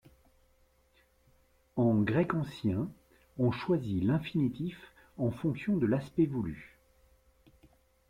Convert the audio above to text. En grec ancien, on choisit l'infinitif en fonction de l'aspect voulu.